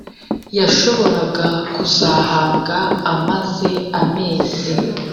yashoboraga kuzahabwa amaze amezi